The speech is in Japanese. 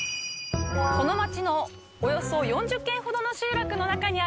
この町のおよそ４０軒ほどの集落の中にあるんです。